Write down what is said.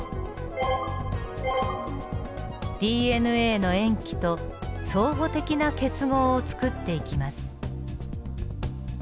ＤＮＡの塩基と相補的な結合を作っていきます。